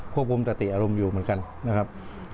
ควบคุมสติอารมณ์อยู่เหมือนกันนะครับ